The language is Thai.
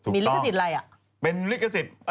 มีริกษิศอะไรล่ะ